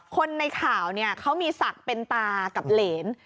คนในข่าวเนี่ยเขามีศักดิ์เป็นตากับเหรน